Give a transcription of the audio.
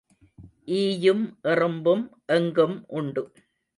ஈயும் எறும்பும் எங்கும் உண்டு.